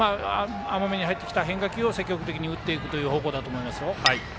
甘めに入ってきた変化球を積極的に打っていくという方向だと思いますよ。